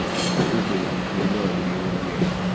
是著名的旅游景点。